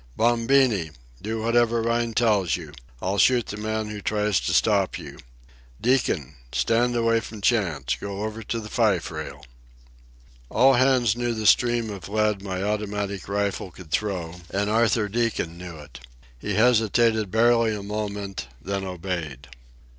—Bombini! do whatever Rhine tells you. I'll shoot the man who tries to stop you.—Deacon! Stand away from Chantz. Go over to the fife rail." All hands knew the stream of lead my automatic rifle could throw, and Arthur Deacon knew it. He hesitated barely a moment, then obeyed.